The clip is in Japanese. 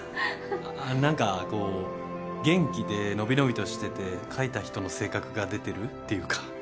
何かこう元気で伸び伸びとしてて描いた人の性格が出てるっていうか。